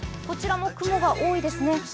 こちらも雲が多いですね。